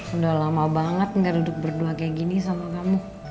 udah lama banget gak duduk berdua kayak gini sama kamu